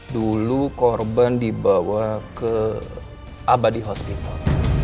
dulu korban dibawa ke abadi hospital